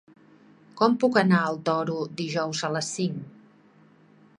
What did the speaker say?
Com puc anar al Toro dijous a les cinc?